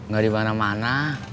gak di mana mana